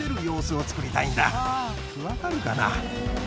分かるかな？